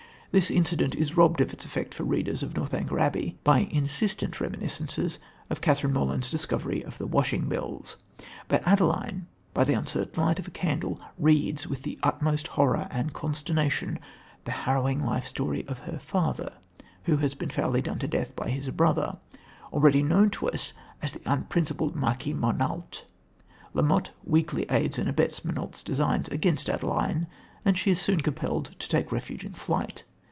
This incident is robbed of its effect for readers of Northanger Abbey by insistent reminiscences of Catherine Morland's discovery of the washing bills. But Adeline, by the uncertain light of a candle, reads, with the utmost horror and consternation, the harrowing life story of her father, who has been foully done to death by his brother, already known to us as the unprincipled Marquis Montalt. La Motte weakly aids and abets Montalt's designs against Adeline, and she is soon compelled to take refuge in flight.